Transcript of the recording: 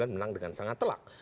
menang dengan sangat telak